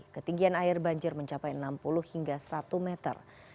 ketinggian air banjir mencapai enam puluh hingga satu meter